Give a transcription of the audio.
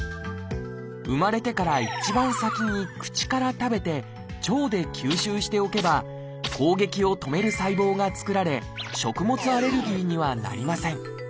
生まれてから一番先に口から食べて腸で吸収しておけば攻撃を止める細胞が作られ食物アレルギーにはなりません。